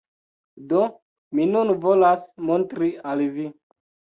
Do, mi nun volas montri al vi